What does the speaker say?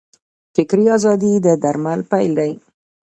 فکري ازادي د درمل پیل دی.